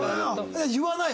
言わない？